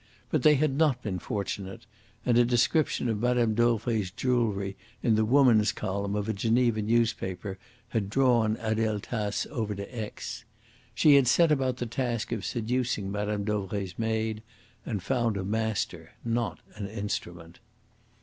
But they had not been fortunate; and a description of Mme. Dauvray's jewellery in the woman's column of a Geneva newspaper had drawn Adele Tace over to Aix. She had set about the task of seducing Mme. Dauvray's maid, and found a master, not an instrument.